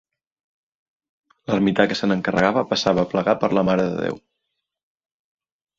L'ermità que se n'encarregava passava a plegar per la Mare de Déu.